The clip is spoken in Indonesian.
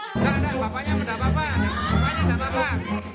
tidak tidak bapaknya tidak apa apa